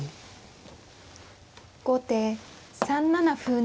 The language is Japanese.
後手３七歩成。